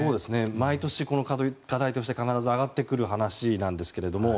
毎年、課題として必ず挙がってくる話なんですけれども。